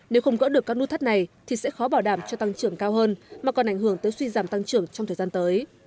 nếu không gỡ được các nút thắt này thì sẽ khó bảo đảm cho tăng trưởng cao hơn mà còn ảnh hưởng tới suy giảm tăng trưởng trong thời gian tới